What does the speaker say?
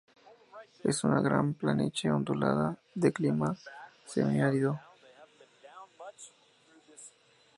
Es una gran planicie ondulada, de clima semiárido.